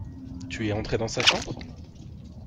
Tu es entrée dans sa chambre ?